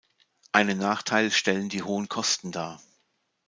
Einen Nachteil stellen die hohen Kosten dar.